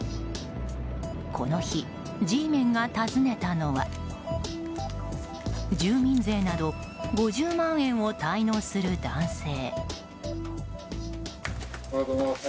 この日、Ｇメンが訪ねたのは住民税など５０万円を滞納する男性。